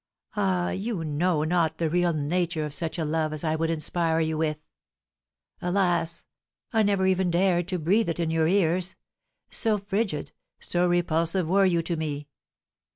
Ah, you know not the real nature of such a love as I would inspire you with! Alas! I never even dared to breathe it in your ears, so frigid, so repulsive were you to me.